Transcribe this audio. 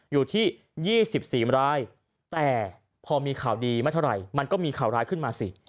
อยู่ที่๒๔รายแต่พอมีข่าวดีไม่เท่าไหร่มันก็มีข่าวร้ายขึ้นมาสิ